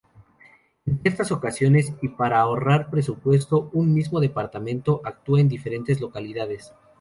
En ciertas ocasiones, y para ahorrar presupuesto, un mismo departamento actúa en diferentes localidades.